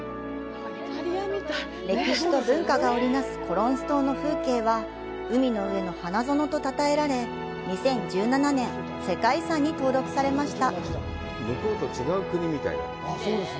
歴史と文化が織りなすコロンス島の風景は「海の上の花園」とたたえられ、２０１７年、世界遺産に登録されました。